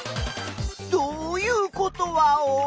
どういうことワオ？